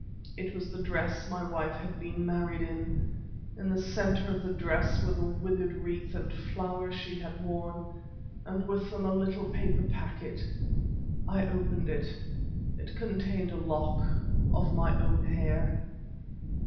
It was the dress my wife had been married in. In the centre of the dress were the withered wreath and flowers she had worn, and with them a little paper packet. I opened it; it contained a lock of my own hair!